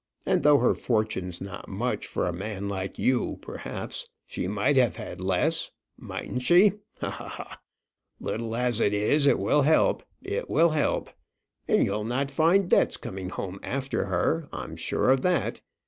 And though her fortune's not much for a man like you, perhaps, she might have had less, mightn't she? ha! ha! ha! Little as it is, it will help it will help. And you'll not find debts coming home after her; I'm sure of that.